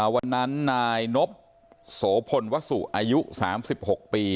วันนั้นนายนบโสพลวสุอายุ๓๖ปี